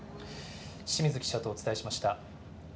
清水記者とお伝えしました。